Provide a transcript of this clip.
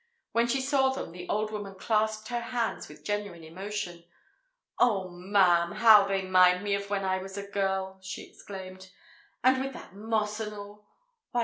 When she saw them, the old woman clasped her hands with genuine emotion. "Oh, ma'am, how they 'mind me of when I was a girl!" she exclaimed. "And with that moss and all!